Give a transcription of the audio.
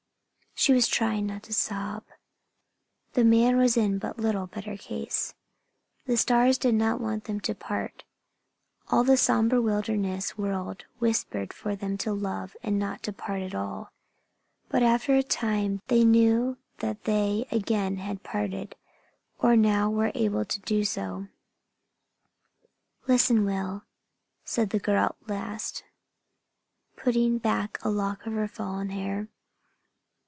She was trying not to sob. The man was in but little better case. The stars did not want them to part. All the somber wilderness world whispered for them to love and not to part at all. But after a time they knew that they again had parted, or now were able to do so. "Listen, Will," said the girl at last, putting back a lock of her fallen hair.